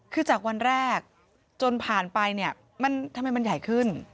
คือจากวันแรกจนผ่านไปทำไมมันใหญ่ขึ้น